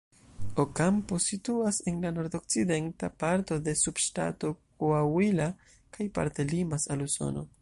Ocampo situas en la nord-okcidenta parto de subŝtato Coahuila kaj parte limas al Usono.